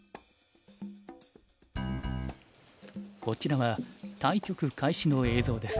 こちらは対局開始の映像です。